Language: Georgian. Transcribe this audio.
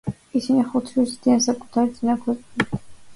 ისინი ხუთ შვილს ზრდიან, საკუთარი წინა ქორწინებებიდან.